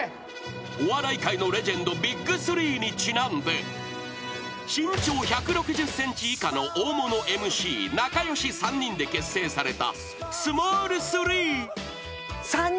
［お笑い界のレジェンドＢＩＧ３にちなんで身長１６０ｃｍ以下の大物ＭＣ仲良し３人で結成されたスモール３］